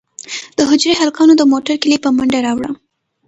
د حجرې هلکانو د موټر کیلي په منډه راوړه.